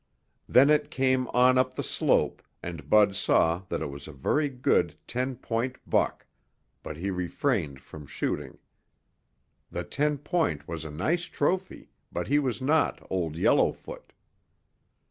Then it came on up the slope and Bud saw that it was a very good ten point buck, but he refrained from shooting. The ten point was a nice trophy but he was not Old Yellowfoot.